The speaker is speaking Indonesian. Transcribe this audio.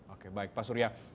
oke baik pak surya